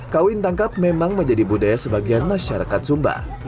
kawin tangkap memang menjadi budaya sebagian masyarakat sumba